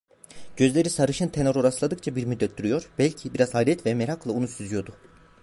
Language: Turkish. Gözleri sarışın tenora rastladıkça bir müddet duruyor, belki biraz hayret ve merakla onu süzüyordu.